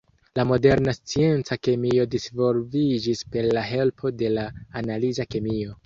La moderna scienca kemio disvolviĝis per la helpo de la analiza kemio.